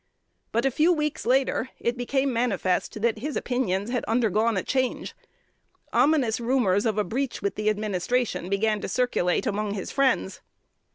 But a few weeks later it became manifest that his opinions had undergone a change. Ominous rumors of a breach with the administration began to circulate among his friends.